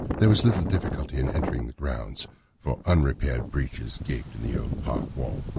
There was little difficulty in entering the grounds, for unrepaired breaches gaped in the old park wall.